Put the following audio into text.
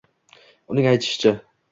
Uning aytishicha